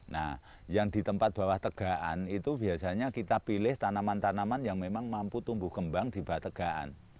nah yang di tempat bawah tegaan itu biasanya kita pilih tanaman tanaman yang memang mampu tumbuh kembang di bawah tegaan